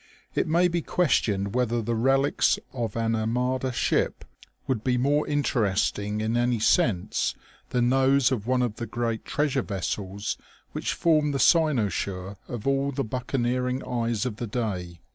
It may be questioned whether the relics of an Armada ship would be more interesting in any sense than those of one of the great treasure vessels which formed the cynosure of all the buccaneering eyes of the day.